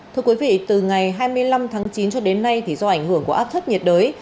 thưa quý vị từ ngày hai mươi năm tháng chín cho đến nay thì do ảnh hưởng của áp thấp nhiệt đới